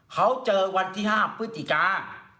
เขาเจอวันที่๕พฤศจิกา